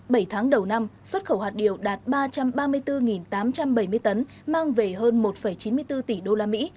bảy tháng đầu năm xuất khẩu hạt điều đạt ba trăm ba mươi bốn tám trăm bảy mươi tấn mang về hơn một chín mươi bốn tỷ đô la mỹ